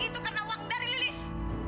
itu karena uang dari lilis